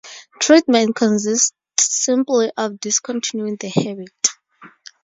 Treatment consists simply of discontinuing the habit.